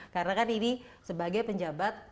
karena kan ini sebagai penjabat